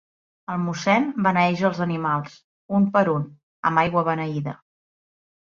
El mossèn beneeix els animals, un per un, amb aigua beneïda.